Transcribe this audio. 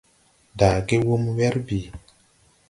Daage wum wɛr bìi.